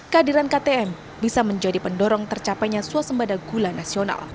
kehadiran ktm bisa menjadi pendorong tercapainya suasembada gula nasional